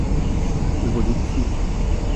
Pois voullo dicir.